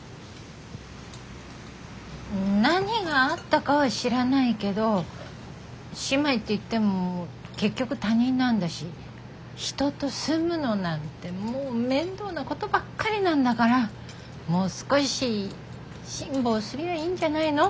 何があったかは知らないけど姉妹っていっても結局他人なんだし人と住むのなんてもう面倒なことばっかりなんだからもう少し辛抱すりゃいいんじゃないの？